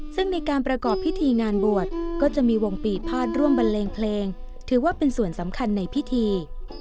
ซึ่งในการประกอบพิธีงานบวชก็จะมีวงปีภาษร่วมบันเลงเพลงถือว่าเป็นส่วนสำคัญในพิธี